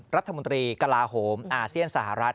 รัฐมนตรีกลาโหมอาเซียนสหรัฐ